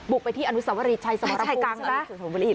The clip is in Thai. บุกไปที่อนุสาวรีชัยสมรรพุโชตะเงียดสัตว์โมลี